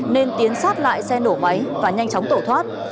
nên tiến sát lại xe nổ máy và nhanh chóng tổ thoát